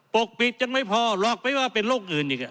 ปกปิดยังไม่พอหรอกไม่ว่าเป็นโรคอื่นอีก